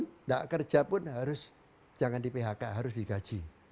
tidak kerja pun harus jangan di phk harus digaji